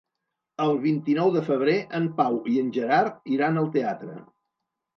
El vint-i-nou de febrer en Pau i en Gerard iran al teatre.